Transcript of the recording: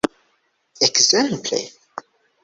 Ekzemple?